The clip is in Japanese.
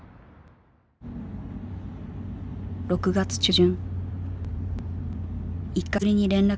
６月中旬。